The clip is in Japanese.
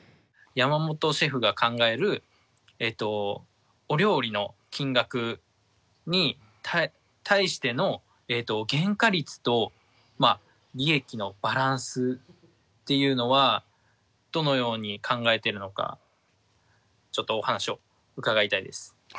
山本シェフが考えるお料理の金額に対しての原価率と利益のバランスっていうのはどのように考えているのかちょっとお話を伺いたいです。